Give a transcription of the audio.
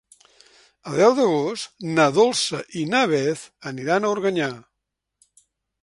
El deu d'agost na Dolça i na Beth aniran a Organyà.